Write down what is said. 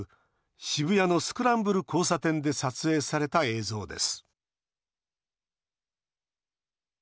渋谷のスクランブル交差点で撮影された映像です